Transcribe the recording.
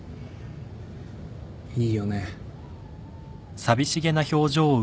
いいよね。